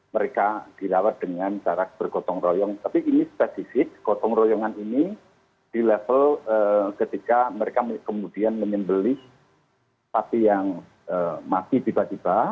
mereka dirawat dengan jarak bergotong royong tapi ini spesifik gotong royongan ini di level ketika mereka kemudian menyembelih sapi yang mati tiba tiba